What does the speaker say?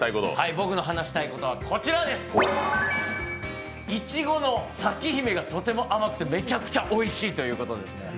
僕の話したいことはいちごの咲姫がとても甘くてめちゃくちゃおいしいという話ですね。